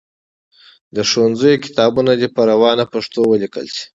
د ښوونځیو کتابونه دي په روانه پښتو ولیکل سي.